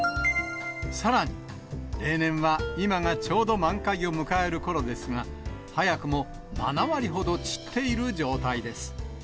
さらに、例年は今がちょうど満開を迎えるころですが、早くも７割ほど散っている状態です。